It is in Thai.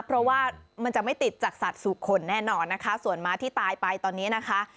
เพราะว่ามันจะไม่ติดจากสัตว์สู่คนแน่นอนนะคะส่วนม้าที่ตายไปตอนนี้นะคะ